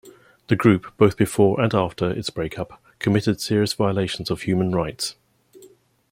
The group, both before and after its breakup, committed serious violations of human rights.